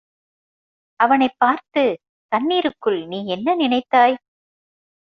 அவனைப் பார்த்து, தண்ணிருக்குள் நீ என்ன நினைத்தாய்?